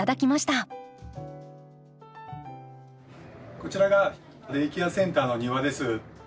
こちらがデイケアセンターの庭です。